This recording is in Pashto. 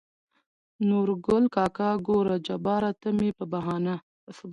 نورګل کاکا: ګوره جباره ته مې په بهانه